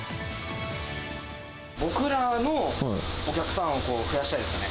僕らのお客さんを増やしたいですね。